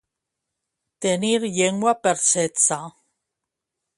Tenir llengua per setze.